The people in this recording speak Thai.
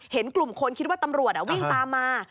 เห็นกลุ่มคนคิดว่าตำรวจวิ่งตามมา